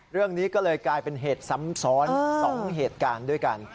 เรื่องนี้ก็เลยกลายเป็นเหตุซ้ำซ้อน๒เหตุการณ์ด้วยกัน